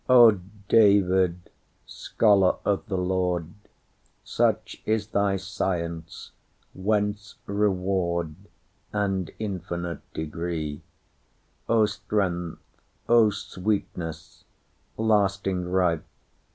O David, scholar of the Lord! Such is thy science, whence reward, And infinite degree;O strength, O sweetness, lasting ripe!